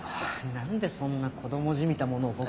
何でそんな子供じみたものを僕が。